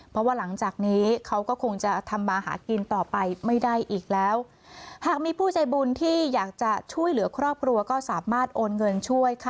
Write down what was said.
เพราะว่าหลังจากนี้เขาก็คงจะทำมาหากินต่อไปไม่ได้อีกแล้วหากมีผู้ใจบุญที่อยากจะช่วยเหลือครอบครัวก็สามารถโอนเงินช่วยค่ะ